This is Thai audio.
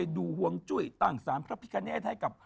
ดูห่วงจุ้ยตั้งสารพระพิคเนตให้กับ